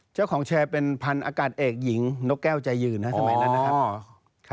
เจ้าของแชร์เป็นพันอากาศเอกหญิงนกแก้วใจยืนสมัยนั้นนะครับ